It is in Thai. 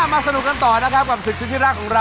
แล้วก็ให้ไปก็คือเออ